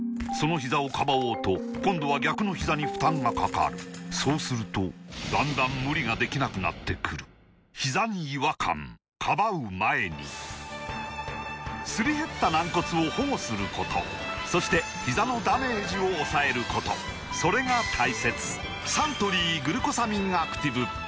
そのひざをかばおうと今度は逆のひざに負担がかかるそうするとだんだん無理ができなくなってくるすり減った軟骨を保護することそしてひざのダメージを抑えることそれが大切サントリー「グルコサミンアクティブ」